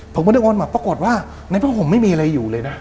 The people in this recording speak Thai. ผมไม่ได้โอนมาปรากฏว่าในผ้าห่มไม่มีอะไรอยู่เลยนะ